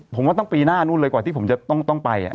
ผมว่าต้องปีหน้านู่นเลยกว่าที่ผมจะต้องไป